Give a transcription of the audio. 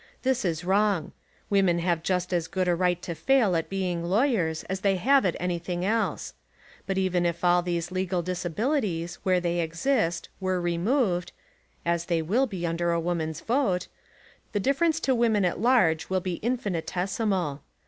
This is wrong. Women have just as good a right to fail at being law yers as they have at anything else. But even if all these legal disabilities, where they exist, were removed (as they will be under a woman's vote) the difference to women at large will be infinitesimal.